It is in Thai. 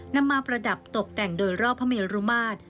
นำมาประดับตกแต่งโดยรอบพระเมรุมาตร